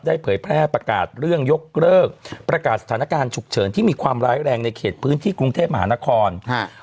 เผยแพร่ประกาศเรื่องยกเลิกประกาศสถานการณ์ฉุกเฉินที่มีความร้ายแรงในเขตพื้นที่กรุงเทพมหานคร